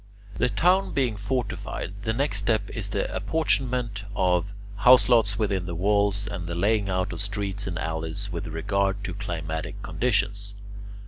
The town being fortified, the next step is the apportionment of house lots within the wall and the laying out of streets and alleys with regard to climatic conditions.